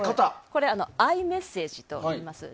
「Ｉ」メッセージといいます。